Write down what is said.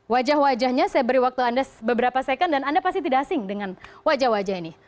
wajah wajahnya saya beri waktu anda beberapa second dan anda pasti tidak asing dengan wajah wajah ini